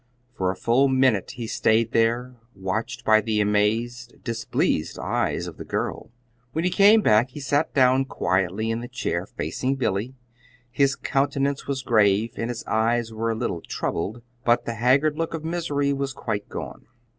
For a full minute he stayed there, watched by the amazed, displeased eyes of the girl. When he came back he sat down quietly in the chair facing Billy. His countenance was grave and his eyes were a little troubled; but the haggard look of misery was quite gone.